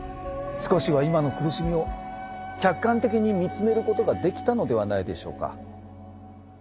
少しは今の苦しみを客観的に見つめることができたのではないでしょうか？